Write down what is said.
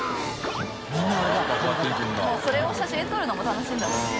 それを写真に撮るのも楽しいんだろうね。